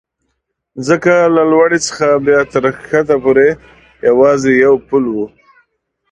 ځکه له لوړې څخه بیا تر کښته پورې یوازې یو پل و.